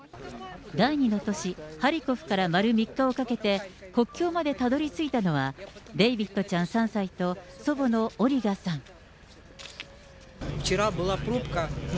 第２の都市、ハリコフから丸３日をかけて、国境までたどりついたのは、デイビットちゃん３歳と祖母のオリガさん。